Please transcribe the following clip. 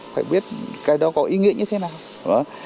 phải biết cái đó có ý nghĩa như thế nào